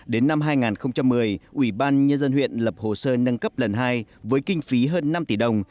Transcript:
đến năm hai nghìn một mươi ủy ban nhân dân huyện lập hồ sơ nâng cấp lần hai với kinh phí hơn năm tỷ đồng